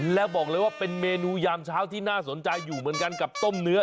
แล้วบอกเลยว่าเป็นเมนูยามเช้าที่น่าสนใจอยู่เหมือนกันกับต้มเนื้อ